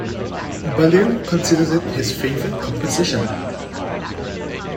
Ballew considers it his favorite composition.